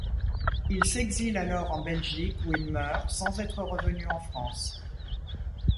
Il s'exile alors en Belgique où il meurt, sans être revenu en France.